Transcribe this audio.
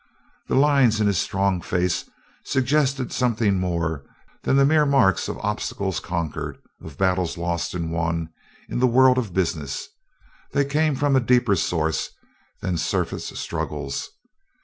The lines in his strong face suggested something more than the mere marks of obstacles conquered, of battles lost and won in the world of business they came from a deeper source than surface struggles.